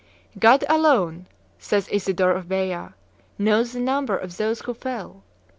"God alone," says Isidore of Beja, "knows the number of those who fell."